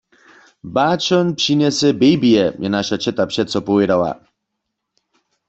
Baćon přinjese babyje, je naša ćeta přeco powědała.